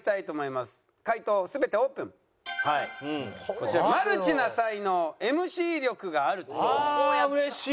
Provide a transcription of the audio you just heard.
こちら「マルチな才能」「ＭＣ力がある」という。